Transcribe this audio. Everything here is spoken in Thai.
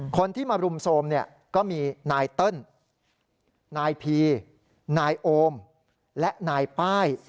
คนที่มารุมโทรมเนี่ยก็มีนายเติ้ลนายพีนายโอมและนายป้าย